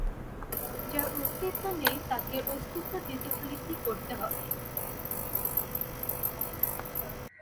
যার অস্তিত্ব নেই তাকে অস্তিত্ব দিতে হলে কি করতে হবে?